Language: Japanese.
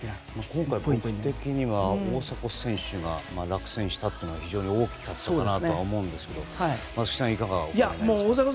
今回、大迫選手が落選したというのは非常に大きかったかなと思うんですけど松木さんはいかがお考えですか？